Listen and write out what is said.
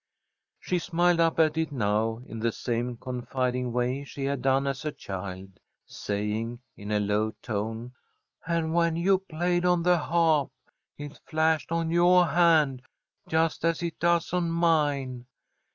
She smiled up at it now in the same confiding way she had done as a child, saying, in a low tone: "And when you played on the harp, it flashed on yoah hand just as it does on mine."